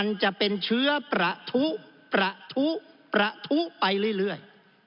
มันจะเป็นเชื้อประทุประทุประทุไปเรื่อย